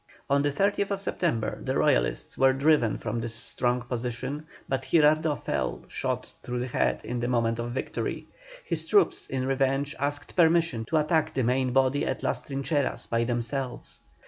On the 30th September the Royalists were driven from this strong position, but Girardot fell, shot through the head in the moment of victory. His troops, in revenge, asked permission to attack the main body at Las Trincheras by themselves.